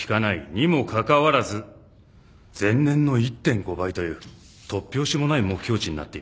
にもかかわらず前年の１．５倍という突拍子もない目標値になっています。